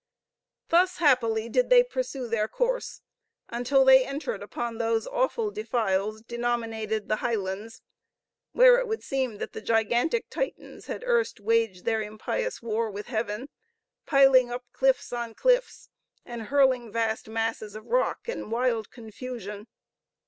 Thus happily did they pursue their course, until they entered upon those awful defiles denominated the Highlands, where it would seem that the gigantic Titans had erst waged their impious war with heaven, piling up cliffs on cliffs, and hurling vast masses of rock in wild confusion.